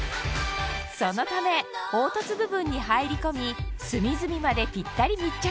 そのため凹凸部分に入り込み隅々までぴったり密着